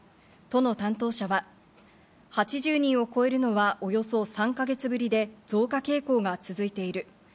都の担当者は８０人を超えるのはおよそ３か月ぶりで、増加傾向が続いている。